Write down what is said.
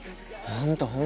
本当。